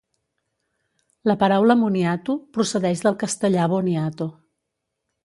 La paraula moniato, procedeix del castellà boniato.